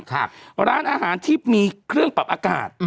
ร้านอาหารที่มีเครื่องปรับอากาศ